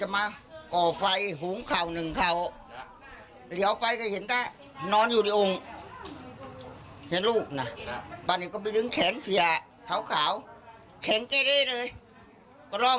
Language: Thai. ไม่เคยเห็น